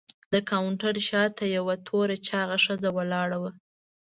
د کاونټر شاته یوه توره چاغه ښځه ولاړه وه.